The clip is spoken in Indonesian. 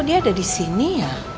dia ada di sini ya